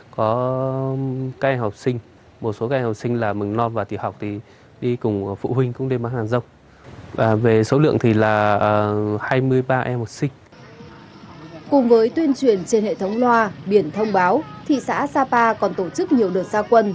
cùng với tuyên truyền trên hệ thống loa biển thông báo thị xã sapa còn tổ chức nhiều đợt gia quân